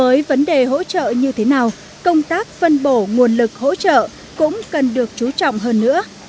với vấn đề hỗ trợ như thế nào công tác phân bổ nguồn lực hỗ trợ cũng cần được chú trọng hơn nữa